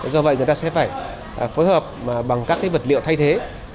do vậy người ta sẽ phải phối hợp bằng các vật liệu thay thế